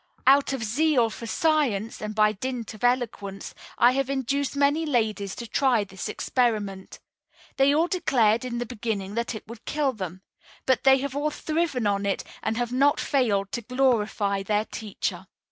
Out of zeal for science, and by dint of eloquence, I have induced many ladies to try this experiment. They all declared, in the beginning, that it would kill them; but they have all thriven on it and have not failed to glorify their teacher.